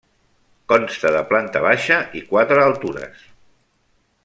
Consta de planta baixa i quatre altures.